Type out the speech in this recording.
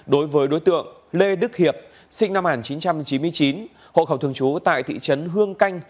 đối với đối tượng lê đức hiệp sinh năm một nghìn chín trăm chín mươi chín hộ khẩu thường trú tại thị trấn hương canh